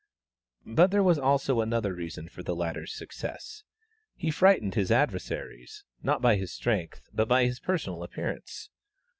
But there was also another reason for the latter's success. He frightened his adversaries, not by his strength, but by his personal appearance.